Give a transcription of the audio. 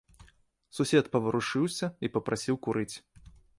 Сусед паварушыўся і папрасіў курыць.